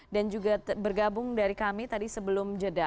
dan juga bergabung dari kami tadi sebelum jeda